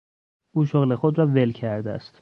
او شغل خود را ول کرده است.